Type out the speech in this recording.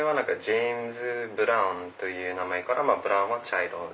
ジェームズ・ブラウンという名前からブラウンは茶色。